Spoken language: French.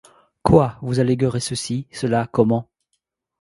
Quoi ! vous alléguerez ceci, cela, comment